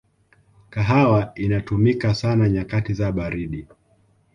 kahawa inatumika sana nyakati za baridi